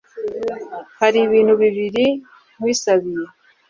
hari ibintu bibiri nkwisabiye